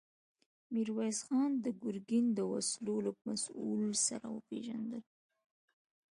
ميرويس خان د ګرګين د وسلو له مسوول سره وپېژندل.